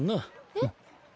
えっ？